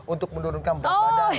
untuk mencari kemampuan